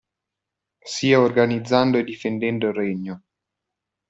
Sia organizzando e difendendo il Regno.